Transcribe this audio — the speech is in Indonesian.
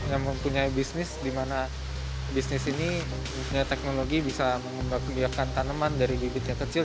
yang mempunyai bisnis di mana bisnis ini punya teknologi bisa mengembangkan tanaman dari bibitnya kecil